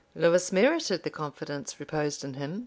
Lewis merited the confidence reposed in him.